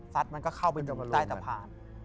สัดมันก็เข้าไปใต้สะพาน